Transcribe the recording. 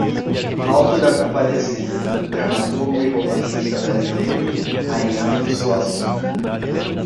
Auto da Compadecida, do dramaturgo e romancista brasileiro Ariano Suassuna